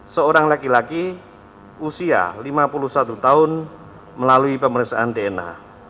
seorang laki laki usia lima puluh satu tahun melalui pemeriksaan dna